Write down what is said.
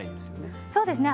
そうですね